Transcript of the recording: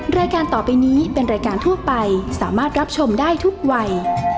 รายการต่อไปนี้เป็นรายการทั่วไปสามารถรับชมได้ทุกวัย